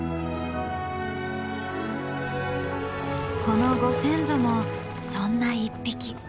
このご先祖もそんな一匹。